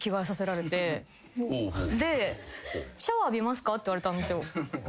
「シャワー浴びますか？」って言われたんですよ。